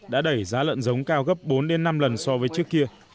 đã đẩy giá lợn giống cao gấp bốn năm lần so với trước kia